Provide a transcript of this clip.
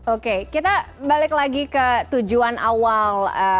oke kita balik lagi ke tujuan awal